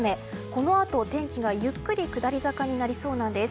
このあと天気がゆっくり下り坂になりそうなんです。